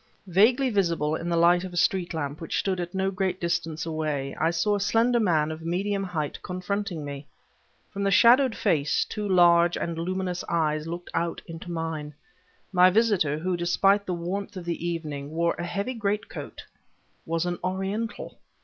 Vaguely visible in the light of a street lamp which stood at no great distance away, I saw a slender man of medium height confronting me. From the shadowed face two large and luminous eyes looked out into mine. My visitor, who, despite the warmth of the evening, wore a heavy greatcoat, was an Oriental!